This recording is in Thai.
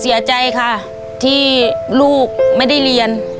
เสียใจค่ะที่ลูกไม่ได้เรียน